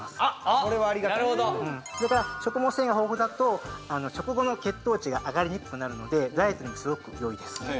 それから食物繊維が豊富だと食後の血糖値が上がりにくくなるのでダイエットにもすごくよいです